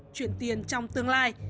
chuyển tiền trong tương lai